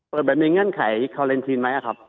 แบบมีเงื่อนไขคาเลนทีนไหมครับ